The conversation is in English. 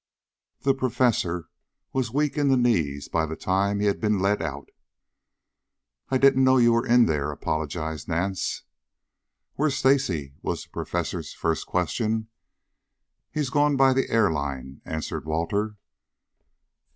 The Professor was weak in the knees by the time he had been led out. "I didn't know you were in there," apologized Nance. "Where's Stacy?" was the Professor's first question. "He's gone by the air line," answered Walter.